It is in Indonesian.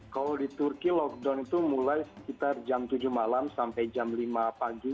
kalau di turki lockdown itu mulai sekitar jam tujuh malam sampai jam lima pagi